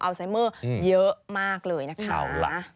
ไซเมอร์เยอะมากเลยนะคะ